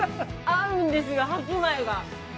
合うんですよ、白米が。